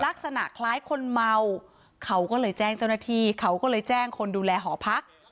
ลักษณะคล้ายคนเมาเขาก็เลยแจ้งเจ้าหน้าที่เขาก็เลยแจ้งคนดูแลหอพัก